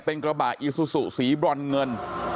เป็นกระบะอีซูซูสีบรอนเงิน